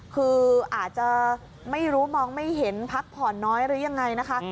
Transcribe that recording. คืออาจจะไม่รู้มองไม่เห็นพักผ่อนน้อยหรือยังไงนะคะ